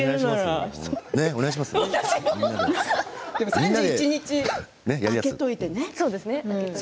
３１日空けておいてね。